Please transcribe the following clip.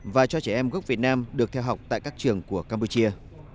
và cho trẻ em gốc việt nam được theo học tại các trường của campuchia